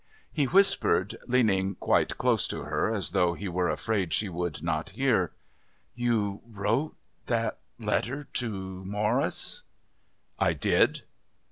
He whispered, leaning quite close to her as though he were afraid she would not hear. "You wrote that letter to Morris?" "I did."